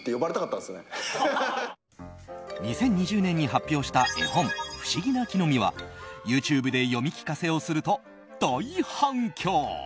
２０２０年に発表した絵本「ふしぎなきのみ」はＹｏｕＴｕｂｅで読み聞かせをすると大反響。